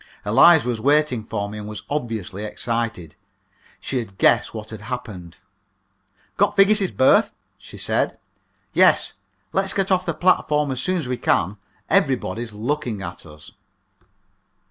Eliza was waiting for me, and was obviously excited. She had guessed what had happened. "Got Figgis's berth?" she said. "Yes. Let's get off the platform as soon as we can. Everybody's looking at us."